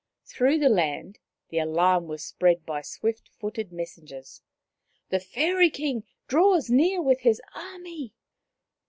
Through the land the alarm was spread by swift footed messengers :" The Fairy King draws near with his army."